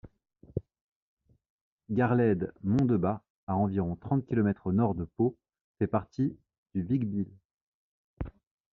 Garlède-Mondebat, à environ trente kilomètres au nord de Pau fait partie du Vic-Bilh.